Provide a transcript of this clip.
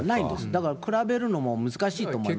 だから比べるのも難しいと思いますよ。